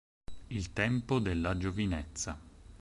Il tempo della giovinezza.